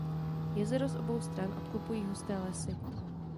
Jezero z obou stran obklopují husté lesy.